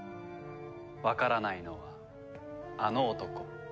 わからないのはあの男。